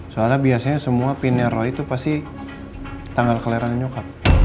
soalnya biasanya semua pinnya roy itu pasti tanggal clearan nyokap